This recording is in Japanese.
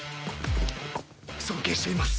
尊敬しています！